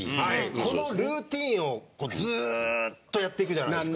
このルーティンをこうずっとやっていくじゃないですか。